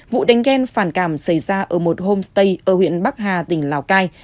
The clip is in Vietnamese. vụ đánh ghen phản cảm xảy ra ở một homestay ở huyện bắc hà tỉnh lào cai